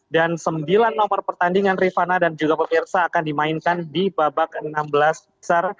dan sembilan nomor pertandingan rifana dan juga pemirsa akan dimainkan di babak enam belas besar